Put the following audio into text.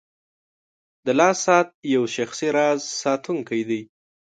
• د لاس ساعت یو شخصي راز ساتونکی دی.